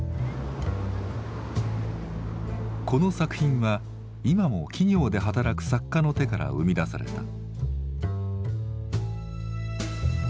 この作品は今も企業で働く作家の手から生み出された。